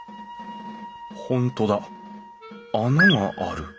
本当だ穴がある。